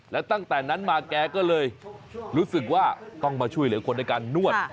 แล้วตั้งแต่นั้นมาแกก็เลยรู้สึกว่าต้องมาช่วยเหลือคนในการนวด